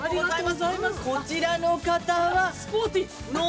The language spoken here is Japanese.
こちらの方は、スポーティー。